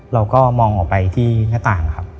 เราก็มองออกไปที่หน้าต่างครับ